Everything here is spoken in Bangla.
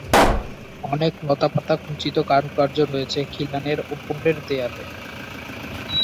অনেক লতাপাতা খচিত কারুকার্য রয়েছে খিলানের ওপরের দেয়ালে।